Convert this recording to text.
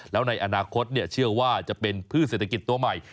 แล้วในอนาคตเชื่อว่าจะเป็นพืชเศรษฐกิจตัวใหม่